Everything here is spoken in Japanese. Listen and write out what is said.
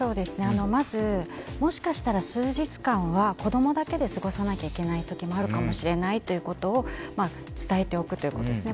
まず、もしかしたら数日間は子供だけで過ごさなきゃいけない時もあるかもしれないということを伝えておくということですね。